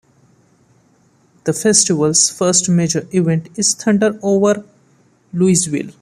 The festival's first major event is Thunder Over Louisville.